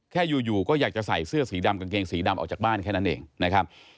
แค่อยู่ก็อยากจะใส่เสื้อสีดำกางเกงสีดำออกจากบ้านแค่นั้นเองนะครับ